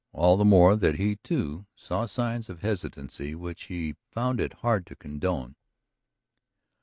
All the more that he, too, saw signs of hesitancy which he found it hard to condone.